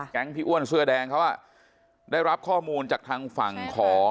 พี่อ้วนเสื้อแดงเขาอ่ะได้รับข้อมูลจากทางฝั่งของ